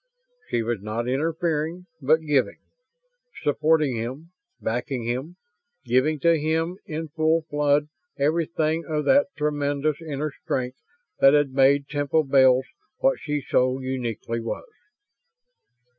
She was not interfering, but giving; supporting him, backing him, giving to him in full flood everything of that tremendous inner strength that had made Temple Bells what she so uniquely was.